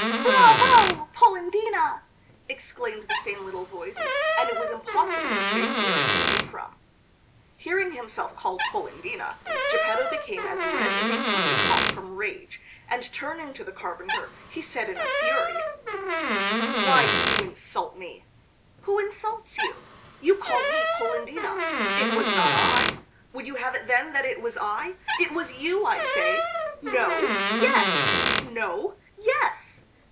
"Bravo, Polendina!" exclaimed the same little voice, and it was impossible to say where it came from. Hearing himself called Polendina, Geppetto became as red as a turkey cock from rage, and turning to the carpenter he said in a fury: "Why do you insult me?" "Who insults you?" "You called me Polendina!" "It was not I!" "Would you have it then, that it was I? It was you, I say!" "No!" "Yes!" "No!" "Yes!"